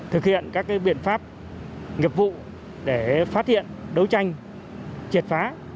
thực hiện các biện pháp nghiệp vụ để phát hiện đấu tranh triệt phá